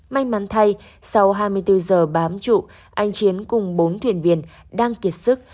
may mắn thay sau hai mươi bốn giờ bám trụ anh chiến cùng bốn thuyền viên đang kiệt sức